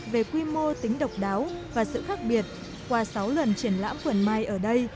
về quy mô tính độc đáo và sự khác biệt qua sáu lần triển lãm vườn mai ở đây